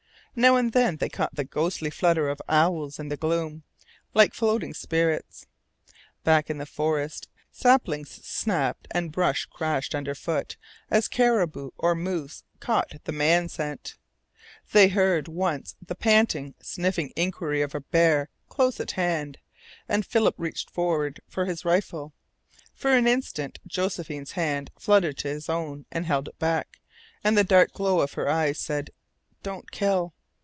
Now and then they caught the ghostly flutter of owls in the gloom, like floating spirits; back in the forest saplings snapped and brush crashed underfoot as caribou or moose caught the man scent; they heard once the panting, sniffing inquiry of a bear close at hand, and Philip reached forward for his rifle. For an instant Josephine's hand fluttered to his own, and held it back, and the dark glow of her eyes said: "Don't kill."